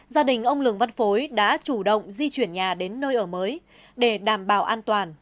gia đình ông lường văn phối đã chủ động di chuyển nhà đến nơi ở mới để đảm bảo an toàn